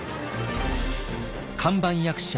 看板役者